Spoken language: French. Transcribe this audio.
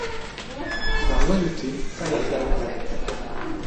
Par loyauté, Firefly l'accompagne.